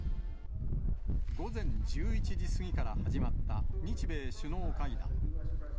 午前１１時過ぎから始まった日米首脳会談。